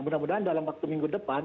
mudah mudahan dalam waktu minggu depan